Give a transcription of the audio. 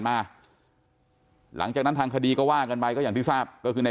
หลังจากนั้นทางคดีก็ว่ากันไปก็อย่างที่ทราบก็คือใน